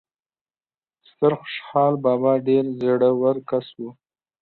ستر خوشال بابا ډیر زړه ور کس وو